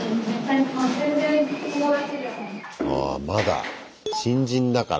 まだ新人だから。